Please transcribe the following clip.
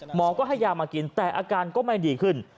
หมอก็ให้ยามากินแต่อาการก็ไม่ดีขึ้น